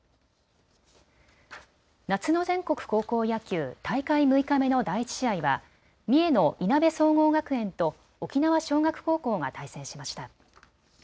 夏の全国高校野球、大会６日目の第１試合は三重のいなべ総合学園と沖縄尚学高校が対戦しました。